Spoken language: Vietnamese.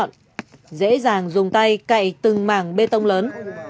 công an tỉnh bắc giang dùng tay cậy từng mảng bê tông lớn